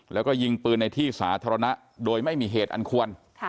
แล้วก็ยิงปืนในที่สาธารณะโดยไม่มีเหตุอันควร